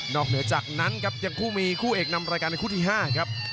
เหนือจากนั้นครับยังคู่มีคู่เอกนำรายการในคู่ที่๕ครับ